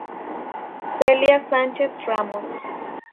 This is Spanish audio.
Celia Sánchez-Ramos.